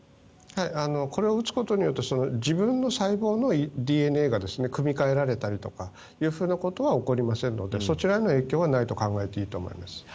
これを打つことによって自分の細胞のＤＮＡが組み換えられたりとかいうことはありませんのでそちらへの影響はないと考えていいと思います。